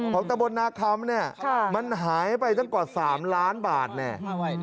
ตะบนนาคำเนี่ยมันหายไปตั้งกว่า๓ล้านบาทแน่